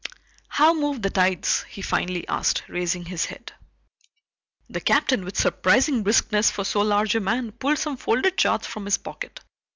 "How move the tides?" he finally asked, raising his head. The Captain, with surprising briskness for so large a man, pulled some folded charts from his pocket.